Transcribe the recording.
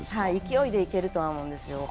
勢いでいけると思うんですよ。